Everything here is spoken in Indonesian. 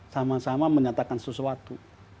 sama sama menyatakan sesuatu